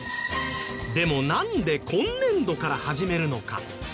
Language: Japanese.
でもなんで今年度から始めるのか？